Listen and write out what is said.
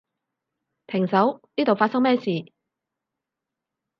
停手，呢度發生咩事？